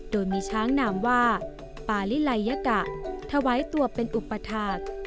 โดยมีช้างนามว่าปาลิไลยกะถวายตัวเป็นอุปถาค